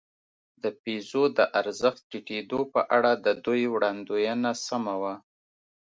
د پیزو د ارزښت ټیټېدو په اړه د دوی وړاندوېنه سمه وه.